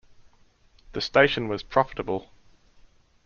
The station was profitable.